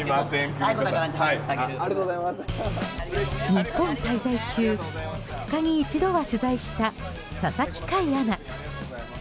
日本滞在中２日に一度は取材した佐々木快アナ。